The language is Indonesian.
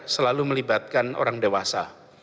selalu melibatkan orang dewasa